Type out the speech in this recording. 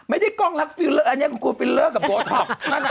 ไม่ได้กล้องรักฟิลเลอร์อันเนี่ยคือฟิลเลอร์กับโบท็อป